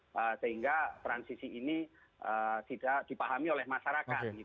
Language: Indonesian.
sehingga transisi ini tidak dipahami oleh masyarakat